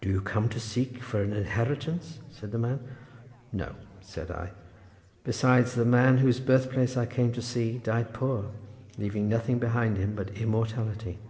"Do you come to seek for an inheritance?" said the man. "No," said I. "Besides the man whose birth place I came to see died poor, leaving nothing behind him but immortality."